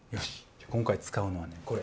じゃ今回使うのはねこれ。